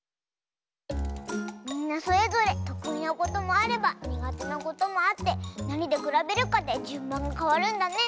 みんなそれぞれとくいなこともあればにがてなこともあってなにでくらべるかでじゅんばんがかわるんだね。